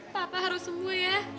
papa harus sembuh ya